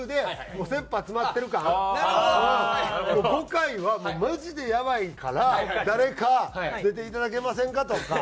５回はもうマジでやばいから誰か出ていただけませんか？とか。